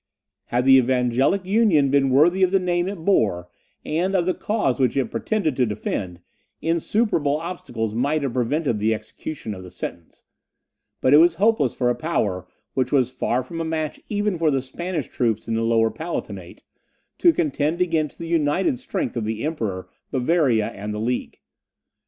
Had the Evangelic Union been worthy of the name it bore, and of the cause which it pretended to defend, insuperable obstacles might have prevented the execution of the sentence; but it was hopeless for a power which was far from a match even for the Spanish troops in the Lower Palatinate, to contend against the united strength of the Emperor, Bavaria, and the League.